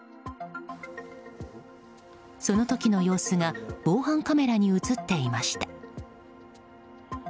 その時の様子が防犯カメラに映っていました。